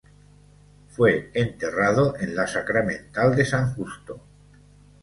Fue enterrado en la Sacramental de San Justo.